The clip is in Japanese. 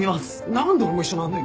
何で俺も一緒なんだよ。